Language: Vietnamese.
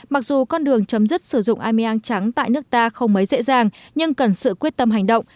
mặc dù con đường chấm dứt sử dụng ameang trắng tại nước ta không mấy dễ dàng nhưng cần sự quyết tâm hành động